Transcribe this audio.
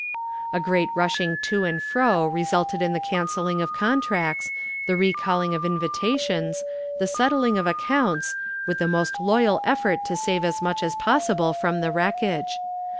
A great rushing to and fro resulted in the cancelling of contracts, the recalling of invitations, the settling of accounts, with the most loyal effort to save as much as possible from the wreckage.